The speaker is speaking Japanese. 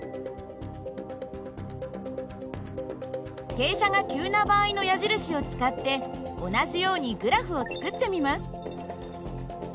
傾斜が急な場合の矢印を使って同じようにグラフを作ってみます。